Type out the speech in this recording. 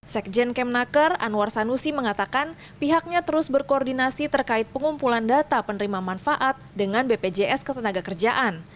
sekjen kemnaker anwar sanusi mengatakan pihaknya terus berkoordinasi terkait pengumpulan data penerima manfaat dengan bpjs ketenaga kerjaan